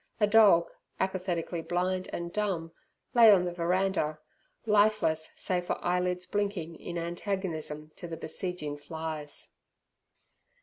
A dog, apathetically blind and dumb, lay on the veranda, lifeless save for eyelids blinking in antagonism to the besieging flies.